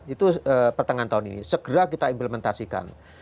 itu pertengahan tahun ini segera kita implementasikan